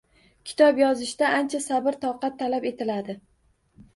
Kitob yozishda ancha sabr-toqat talab etiladi.